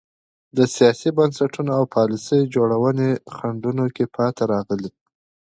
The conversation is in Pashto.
د سیاسي بنسټونو او پالیسۍ جوړونې خنډونو کې پاتې راغلي.